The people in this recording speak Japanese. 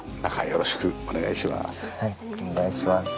よろしくお願いします。